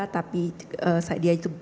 tapi saya juga tidak